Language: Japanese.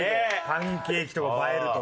パンケーキとか映えるとか。